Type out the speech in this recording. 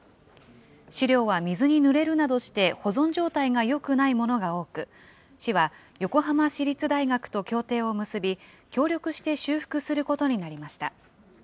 資料は水にぬれるなどして保存状態がよくないものが多く、市は横浜市立大学と協定を結び、協力して修復することになりました。